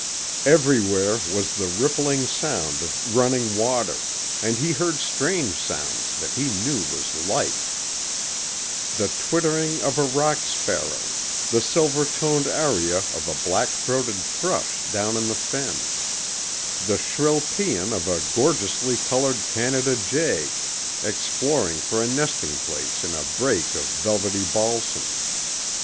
Everywhere was the rippling sound of running water, and he heard strange sounds that he knew was life; the twittering of a rock sparrow, the silver toned aria of a black throated thrush down in the fen, the shrill paean of a gorgeously coloured Canada jay exploring for a nesting place in a brake of velvety balsam.